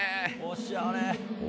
おしゃれ。